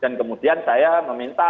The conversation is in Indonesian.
dan kemudian saya menerima laporan